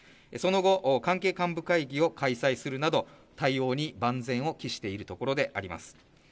その後、関係幹部会議を開催するなど対応に万全を期しているところであります。